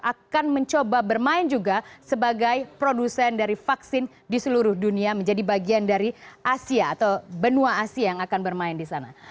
akan mencoba bermain juga sebagai produsen dari vaksin di seluruh dunia menjadi bagian dari asia atau benua asia yang akan bermain di sana